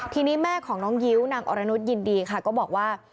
ทีนี้แม่ของน้องยิ้วนางอรนุษยินดีค่ะก็บอกว่า